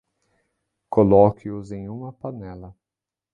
Coloque-os em uma panela.